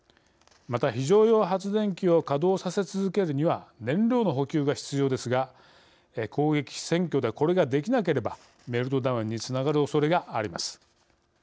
また、非常用発電機を稼働させ続けるには燃料の補給が必要ですが攻撃・占拠でこれができなければメルトダウンにつながるおそれがあります。